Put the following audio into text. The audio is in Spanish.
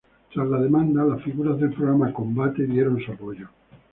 Tras la demanda, las figuras del programa "Combate" dieron su apoyo.